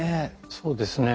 そうですね。